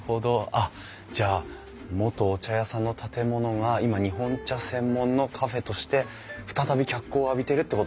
あっじゃあ元お茶屋さんの建物が今日本茶専門のカフェとしてふたたび脚光を浴びてるってことなんですね。